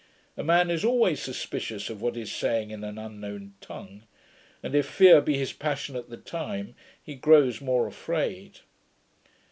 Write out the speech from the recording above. A man is always suspicious of what is saying in an unknown tongue; and, if fear be his passion at the time, he grows more afraid.